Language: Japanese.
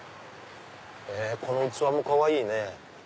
この器もかわいいね。